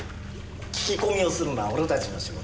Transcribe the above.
聞き込みをするのは俺たちの仕事だ。